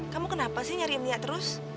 kamu kenapa sih nyariin lia terus